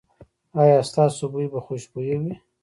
ایا ستاسو بوی به خوشبويه وي؟